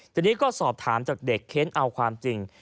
ทีนี้ก็สอบถามจากเด็กเค้นเอาความจริง